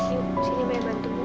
yuk sini maya bantu bu